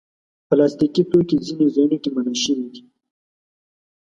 پلاستيکي توکي ځینو ځایونو کې منع شوي دي.